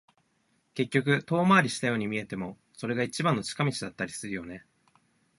結局、遠回りしたように見えても、それが一番の近道だったりするよね。